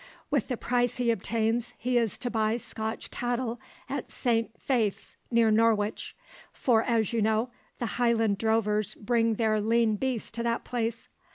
With the price he obtains he is to buy Scotch cattle at Saint Faith's, near Norwich; for, as you know, the Highland drovers bring their lean beasts to that place.